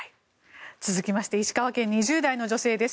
続きまして石川県２０代の女性です。